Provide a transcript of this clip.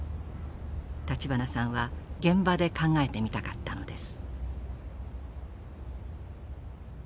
立花さんは現場で考えてみたかったのです。